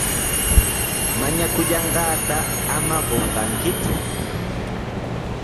Mañakullanqaata ama qunqakiku.